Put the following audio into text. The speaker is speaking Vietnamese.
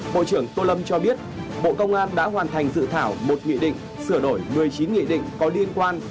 bộ trưởng tô lâm cho biết bộ công an đã hoàn thành dự thảo một nghị định sửa đổi một mươi chín nghị định có liên quan